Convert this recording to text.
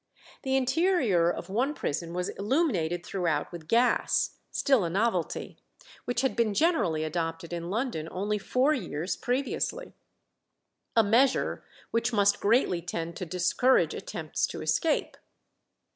The interior of one prison was illuminated throughout with gas, still a novelty, which had been generally adopted in London only four years previously, "a measure which must greatly tend to discourage attempts to escape."